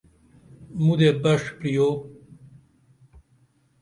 مودے بڜ پریوئی؟